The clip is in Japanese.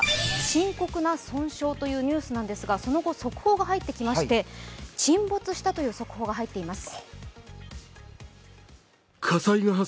深刻な損傷ということですがその後、速報が入ってきまして、沈没したという速報が入っています。